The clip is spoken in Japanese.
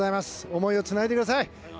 思いをつないでください！